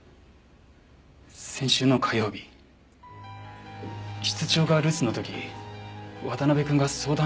先週の火曜日室長が留守の時渡辺くんが相談室を訪ねてきた。